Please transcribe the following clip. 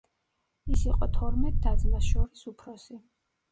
ის იყო თორმეტ და-ძმას შორის უფროსი.